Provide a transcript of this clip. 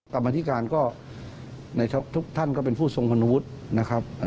กรรมธิการก็ในทุกท่านก็เป็นผู้ทรงคุณวุฒินะครับ